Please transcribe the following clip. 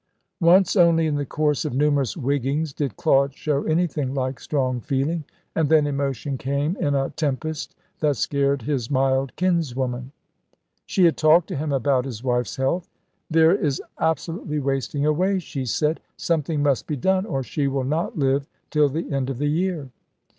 Once only in the course of numerous "wiggings" did Claude show anything like strong feeling, and then emotion came in a tempest that scared his mild kinswoman. She had talked to him about his wife's health. "Vera is absolutely wasting away," she said. "Something must be done, or she will not live till the end of the year."